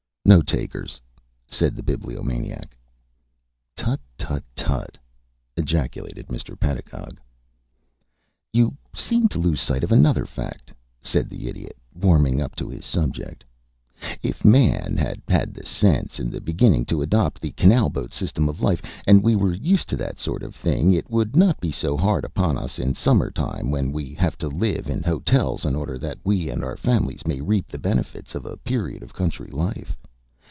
"No takers," said the Bibliomaniac. "Tutt tutt tutt," ejaculated Mr. Pedagog. [Illustration: "THE NUISANCE OF HAVING TO PAY"] "You seem to lose sight of another fact," said the Idiot, warming up to his subject. "If man had had the sense in the beginning to adopt the canal boat system of life, and we were used to that sort of thing, it would not be so hard upon us in summer time, when we have to live in hotels in order that we and our families may reap the benefits of a period of country life.